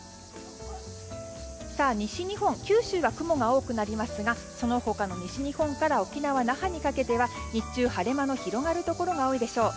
西日本、九州は雲が多くなりますがその他の西日本から沖縄・那覇にかけては日中、晴れ間の広がるところが多いでしょう。